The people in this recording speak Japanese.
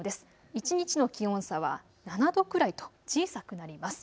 一日の気温差は７度くらいと小さくなります。